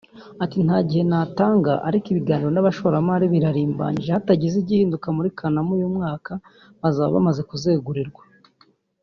Ati “Nta gihe natanga ariko ibiganiro n’abashoramari birarimbanyije hatagize igihinduka muri Kanama uyu mwaka bazaba bamaze kuzegurirwa